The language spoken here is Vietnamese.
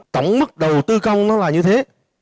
tổng mức đầu tư công nó là như thế